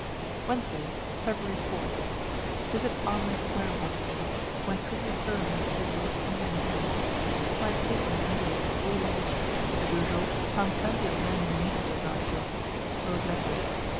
Wednesday, February 4th. Visited Armory square hospital, went pretty thoroughly through wards E and D. Supplied paper and envelopes to all who wish'd as usual, found plenty of men who needed those articles. Wrote letters.